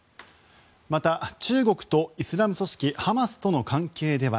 また、中国とイスラム組織ハマスとの関係では